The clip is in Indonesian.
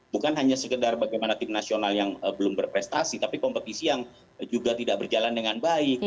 bukan hanya sekedar bagaimana tim nasional yang belum berprestasi tapi kompetisi yang juga tidak berjalan dengan baik